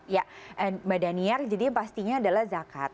ya mbak daniar jadi yang pastinya adalah zakat